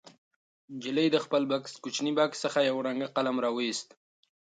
نجلۍ د خپل کوچني بکس څخه یو رنګه قلم راوویست.